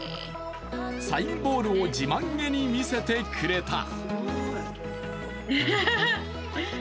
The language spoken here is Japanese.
サインボールを自慢げに見せてくれた。